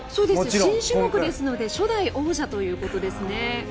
新種目ですので初代王者ということですね。